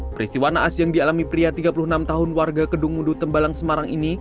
peristiwa naas yang dialami pria tiga puluh enam tahun warga kedung mudu tembalang semarang ini